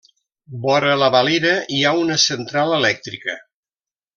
Vora la Valira hi ha una central elèctrica.